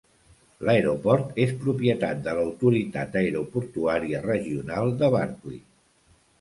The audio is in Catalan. L'aeroport és propietat de l'Autoritat Aeroportuària Regional de Barkley.